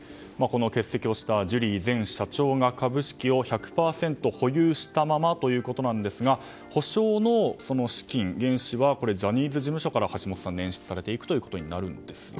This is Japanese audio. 欠席をしたジュリー前社長が株式を１００％保有したままということですが補償の資金、原資はジャニーズ事務所から橋下さん、捻出されていくということになるんですかね。